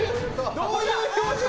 どういう表情だ？